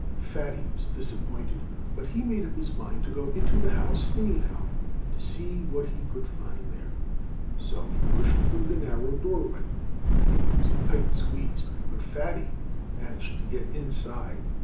Fatty was disappointed. But he made up his mind to go into the house anyhow, to see what he could find there. So he pushed through the narrow doorway. It was a tight squeeze; but Fatty managed to get inside.